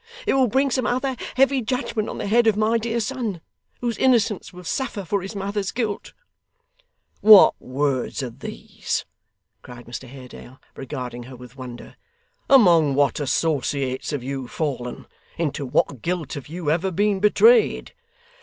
It will bring some other heavy judgement on the head of my dear son, whose innocence will suffer for his mother's guilt.' 'What words are these!' cried Mr Haredale, regarding her with wonder. 'Among what associates have you fallen? Into what guilt have you ever been betrayed?